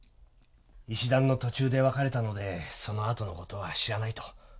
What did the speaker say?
石段の途中で別れたのでそのあとの事は知らないと。